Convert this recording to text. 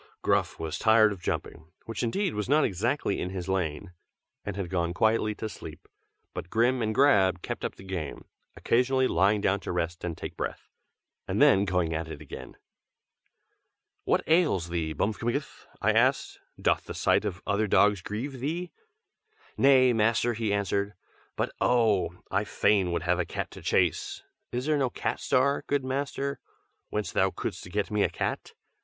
Gruff was tired of jumping, which indeed was not exactly in his line; and had gone quietly to sleep; but Grim and Grab kept up the game, occasionally lying down to rest and take breath, and then going at it again. "What ails thee, Bmfkmgth?" I asked. "Doth the sight of the other dogs grieve thee?" "Nay, master!" he answered. "But oh! I fain would have a cat to chase. Is there no Cat Star, good master, whence thou couldst get me a cat?